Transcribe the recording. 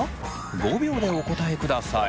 ５秒でお答えください。